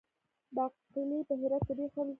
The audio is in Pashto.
باقلي په هرات کې ډیر خوړل کیږي.